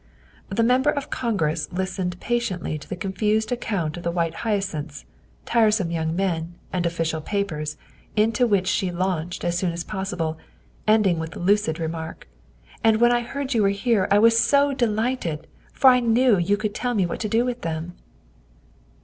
The Member of Congress listened patiently to the confused account of the white hyacinths, tiresome young men, and official papers, into which she launched as soon as possible, ending with the lucid remark, "And when I heard you were here I was so delighted, for I knew you could tell me what to do with them.